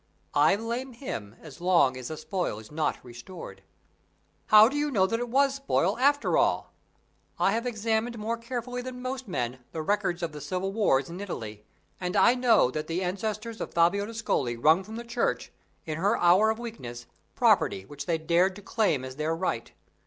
"I blame him as long as the spoil is not restored." "How do you know that it was spoil, after all?" "I have examined more carefully than most men the records of the civil wars in Italy; and I know that the ancestors of Fabio d'Ascoli wrung from the Church, in her hour of weakness, property which they dared to claim as their right.